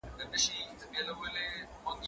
زه به سبا شګه پاک کړم،